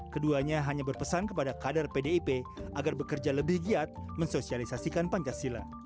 keduanya hanya berpesan kepada kader pdip agar bekerja lebih giat mensosialisasikan pancasila